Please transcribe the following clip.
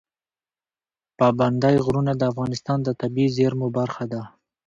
پابندی غرونه د افغانستان د طبیعي زیرمو برخه ده.